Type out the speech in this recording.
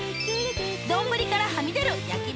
丼からはみ出る焼豚